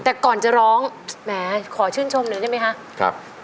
แต่ก่อนจะร้องแหมขอชื่นชมเลยได้ไหมคะครับ